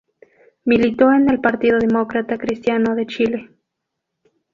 Militó en el Partido Demócrata Cristiano de Chile.